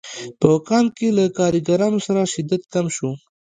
په کان کې له کارګرانو سره شدت کم شو